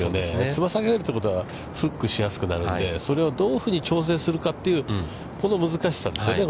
つま先上がりということは、フックしやすくなるんで、それをどういうふうに調整するかという、この難しさですよね。